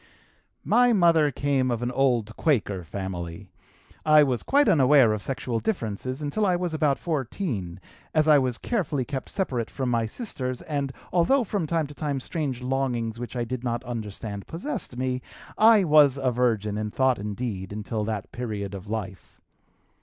"My mother came of an old Quaker family. I was quite unaware of sexual differences until I was about 14, as I was carefully kept separate from my sisters and, although from time to time strange longings which I did not understand possessed me, I was a virgin in thought and deed until that period of life.